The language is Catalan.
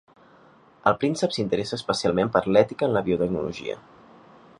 El príncep s'interessa especialment per l'ètica en la biotecnologia.